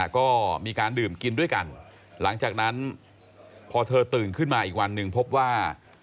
ก็มีการดื่มกินด้วยกันหลังจากนั้นพอเธอตื่นขึ้นมาอีกวันหนึ่งพบว่า